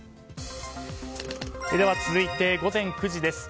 続いて、午前９時です。